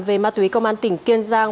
về ma túy công an tỉnh kiên giang